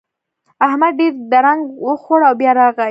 احمد ډېر درنګ وخوړ او بيا راغی.